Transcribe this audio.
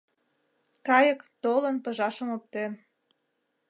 Кайык, толын, пыжашым оптен.